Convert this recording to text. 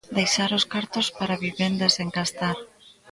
Deixar os cartos para vivenda sen gastar.